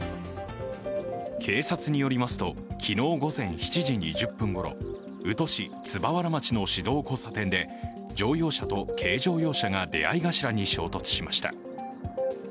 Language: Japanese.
警察によりますと、昨日午前７時２０分ごろ、宇土市椿原町の市道交差点で乗用車と軽乗用車が出会い頭に衝突しました。